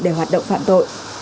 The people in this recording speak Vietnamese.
để hoạt động phạm tội